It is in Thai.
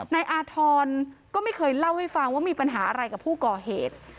นายอาธรณ์ก็ไม่เคยเล่าให้ฟังว่ามีปัญหาอะไรกับผู้ก่อเหตุ